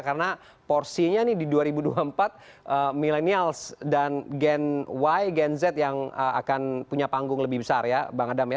karena porsinya ini di dua ribu dua puluh empat millennials dan gen y gen z yang akan punya panggung lebih besar ya bang adam ya